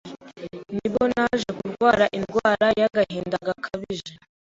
nibwo naje kurwara indwara y’agahinda gakabije